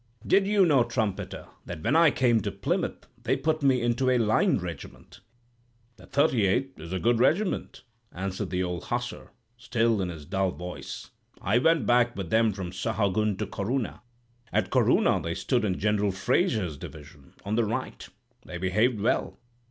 "'Did you know, trumpeter, that, when I came to Plymouth, they put me into a line regiment?' "'The 38th is a good regiment,' answered the old Hussar, still in his dull voice; 'I went back with them from Sahagun to Corunna. At Corunna they stood in General Fraser's division, on the right. They behaved well.